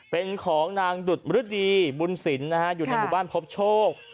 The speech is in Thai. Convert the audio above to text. เป็นของนางดุดมฤดีบุญสินนะฮะอยู่ในหมู่บ้านพบโชค